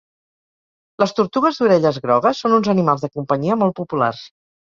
Les tortugues d'orelles grogues són uns animals de companyia molt populars.